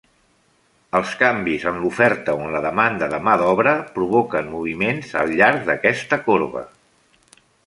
Els canvis en l'oferta o en la demanda de mà d'obra provoquen moviments al llarg d'aquesta corba.